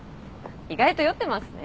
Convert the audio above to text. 意外と酔ってますね。